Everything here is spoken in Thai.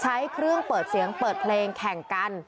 ใช้เครื่องเปิดเสียงเปิดเพลงแข่งกัน